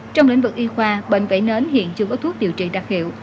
trong lĩnh vực y khoa bệnh vẩy nến hiện chưa có thuốc điều trị đặc hiệu